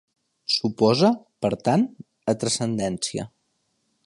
S'oposa, per tant, a transcendència.